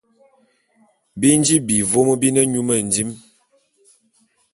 Bi nji vôm bi ne nyu mendim.